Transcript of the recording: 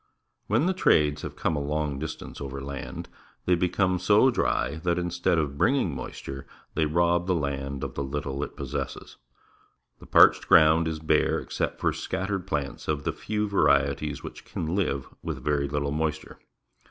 WTien the trades have come a long dis tance over land, they become so dry that, instead of bringing moisture, they rob the land of the little it possesses. The parched ground is bare except for scattered plants of the few varieties which can live with very little moisture.